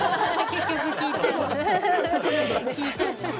結局、聞いちゃう。